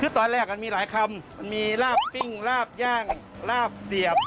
คือตอนแรกมันมีหลายคำมันมีลาบปิ้งลาบย่างลาบเสียบ